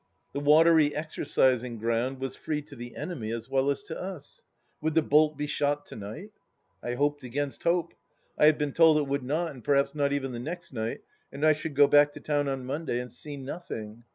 ... The watery exercising ground was free to the enemy as well as to us I . Would the bolt be shot to night ? I hoped against hope. I had been told it would not, and perhaps not even the next night, and I should go back to town on Monday and see nothing.